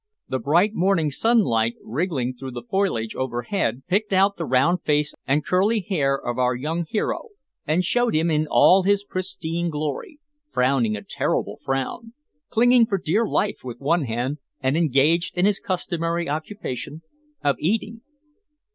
The bright morning sunlight, wriggling through the foliage overhead, picked out the round face and curly hair of our young hero and showed him in all his pristine glory, frowning a terrible frown, clinging for dear life with one hand and engaged in his customary occupation of eating.